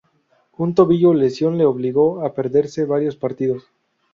Un tobillo lesión le obligó a perderse varios partidos.